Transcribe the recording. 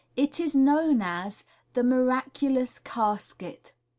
It is known as The Miraculous Casket.